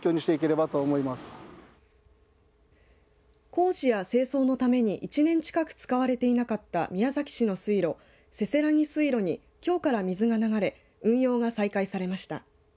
工事や清掃のために１年近く使われていなかった宮崎市の水路、せせらぎ水路にきょうから水が流れ運用が再開されました。